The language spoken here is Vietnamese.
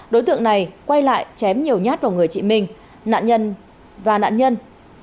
đối tượng này quay lại chém nhiều nhát vào người chị minh nạn nhân và nạn nhân